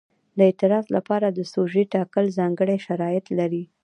د اعتراض لپاره د سوژې ټاکل ځانګړي شرایط لري.